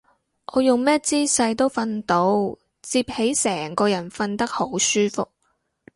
我用咩姿勢都瞓到，摺起成個人瞓得好舒服